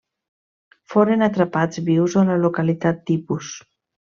Foren atrapats vius a la localitat tipus.